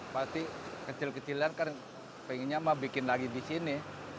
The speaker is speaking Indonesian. pasti kecil kecilan kan pengennya mah bikin lagi di sini